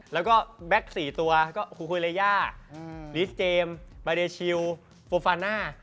แล้วก็แบ็ค๔ตัวก็ฮูฮุยเลย่าลิสเจมส์บาเดชิลโฟฟาน่า